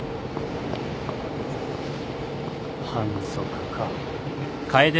反則か。